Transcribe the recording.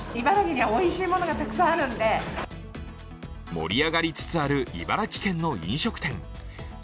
盛り上がりつつある茨城県の飲食店。